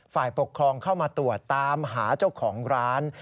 ฝ่ายปกครองเข้ามาตรวจตามหาเจ้าของร้าน